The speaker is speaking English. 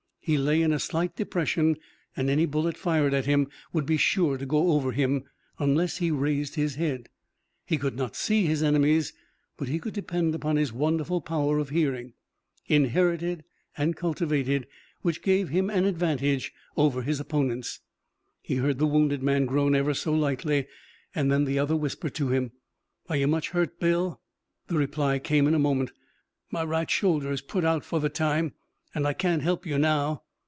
He lay in a slight depression and any bullet fired at him would be sure to go over him unless he raised his head. He could not see his enemies, but he could depend upon his wonderful power of hearing, inherited and cultivated, which gave him an advantage over his opponents. He heard the wounded man groan ever so lightly, and then the other whisper to him, "Are you much hurt, Bill?" The reply came in a moment: "My right shoulder is put out for the time, and I can't help you now."